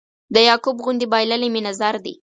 د یعقوب غوندې بایللی مې نظر دی